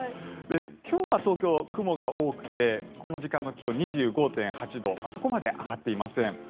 今日は東京、雲が多くてこの時間の気温、２５．８度そこまで上がっていません。